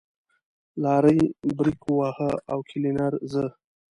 لارۍ برېک وواهه او کلينر زه.